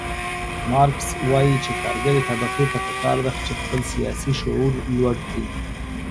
مارکس وایي چې کارګرې طبقې ته پکار ده چې خپل سیاسي شعور لوړ کړي.